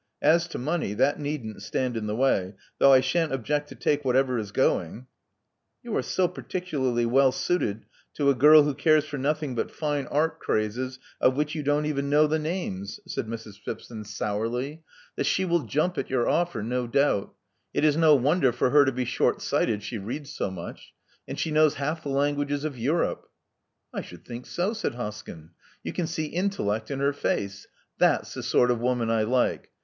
As to money, that needn't stand in the way, though I shan't object to take whatever is going." You are so particularly well suited to a girl who cares for nothing but fine art crazes of which you don't even know the names," said Mrs. Phipson 284 Love Among the Artists sourly, *'that she will jump at your offer, no doubt It is no wonder for her to be shortsighted, she reads so much. And she knows half the languages of Europe." *'I should think so," said Hoskyn. •*You can see intellect in her face. That's the sort of woman I like.